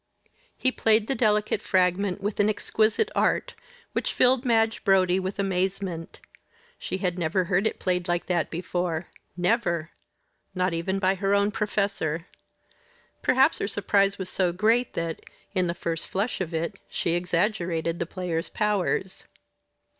He played the delicate fragment with an exquisite art which filled Madge Brodie with amazement. She had never heard it played like that before never! Not even by her own professor. Perhaps her surprise was so great that, in the first flush of it, she exaggerated the player's powers.